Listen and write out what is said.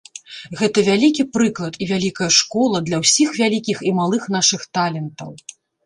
Гэта вялікі прыклад і вялікая школа для ўсіх вялікіх і малых нашых талентаў.